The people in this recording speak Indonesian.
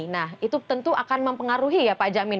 nah itu tentu akan mempengaruhi ya pak jamin